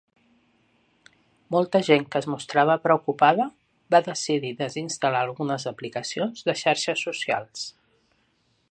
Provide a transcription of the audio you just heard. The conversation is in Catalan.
Molta gent que es mostrava preocupada va decidir desinstal·lar algunes aplicacions de xarxes socials.